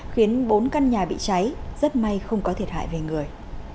khiến bốn căn nhà bị cháy rất may không có thiệt hại về người